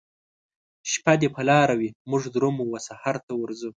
شپه دي په لاره وي موږ درومو وسحرته ورځو